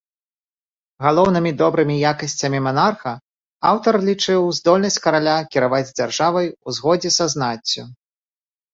Галоўнымі добрымі якасцямі манарха аўтар лічыў здольнасць караля кіраваць дзяржавай у згодзе са знаццю.